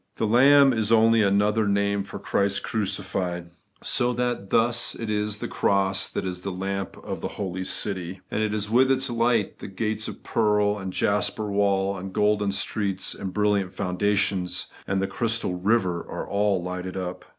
The Lamb is only another name for Christ crucified : so that thus it is the cross that is the lamp of the holy city ; and with its light, the gates of pearl, the jasper wall, the golden streets, the brilliant foundations, and the crystal river, are aU lighted up.